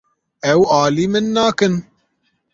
Ew alî min nakin.